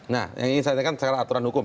nah yang ini saya katakan secara aturan hukum